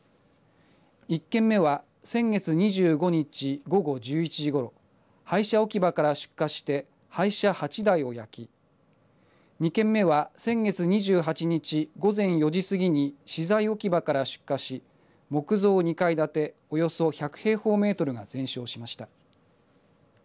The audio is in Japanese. １件目は先月２５日午後１１時ごろ廃車置き場から出火して廃車８台を焼き２件目は先月２８日午前４時過ぎに資材置き場から出火し木造２階建ておよそ１００平方メートルが全焼しました。